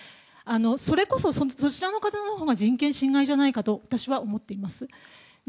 それこそ、そちらの方々のほうが人権侵害じゃないかと私は思っています。